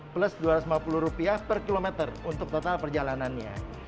plus rp dua ratus lima puluh per kilometer untuk total perjalanannya